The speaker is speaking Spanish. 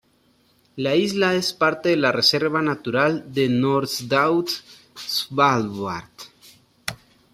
La isla es parte de la Reserva Natural de Nordaust-Svalbard.